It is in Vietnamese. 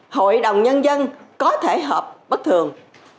hội đồng nhân dân có thể hợp bất thường